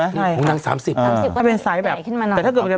ใช่ไหมใช่ของหนังสามสิบสามสิบก็ไกลขึ้นมาหน่อยแต่ถ้าเกิด